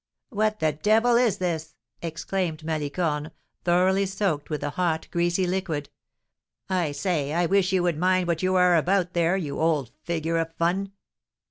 "What the devil is this?" exclaimed Malicorne, thoroughly soaked with the hot, greasy liquid. "I say, I wish you would mind what you are about up there, you old figure of fun!"